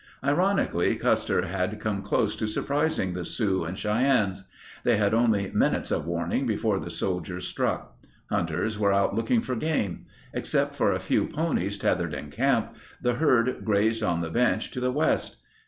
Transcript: Ironically, Custer had come close to surprising the Sioux and Cheyennes. They had only minutes of warning before the soldiers struck. Hunters were out looking for game. Except for a few ponies tethered in camp, the herd grazed on the bench to the west.